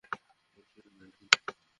ফুল স্পিডে যান এখন!